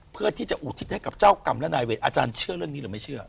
เพื่อที่จะอุทิศให้กับเจ้ากรรมและนายเวทอาจารย์เชื่อเรื่องนี้หรือไม่เชื่อ